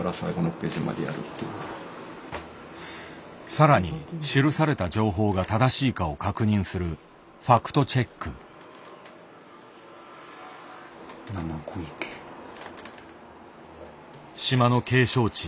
さらに記された情報が正しいかを確認する島の景勝地